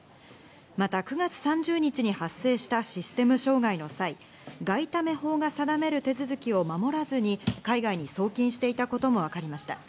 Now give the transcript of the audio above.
また９月３０日に発生したシステム障害の際、外為法が定める手続きを守らずに海外に送金していたこともわかりました。